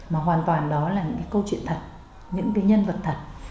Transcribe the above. mà hoàn toàn đó là những cái câu chuyện thật những cái nhân vật thật